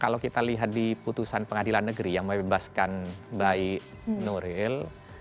kalau kita lihat di putusan pengadilan negeri yang membebaskan baik nuril